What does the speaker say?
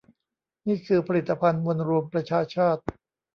นี่คือผลิตภัณฑ์มวลรวมประชาชาติ